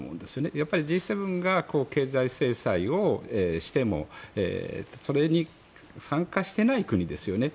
やっぱりＧ７が経済制裁をしてもそれに参加してない国ですよね